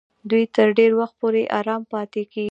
دوی تر ډېر وخت پورې آرام پاتېږي.